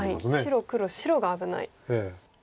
白黒白が危ない。